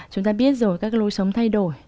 chúng ta biết rồi các lối sống thay đổi